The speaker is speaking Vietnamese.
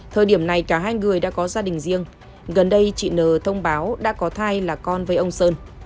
thời điểm này cả hai người đã có gia đình riêng gần đây chị nờ thông báo đã có thai là con với ông sơn